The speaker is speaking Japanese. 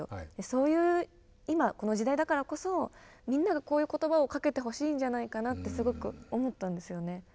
そういう今この時代だからこそみんながこういう言葉をかけてほしいんじゃないかなってすごく思ったんですよね。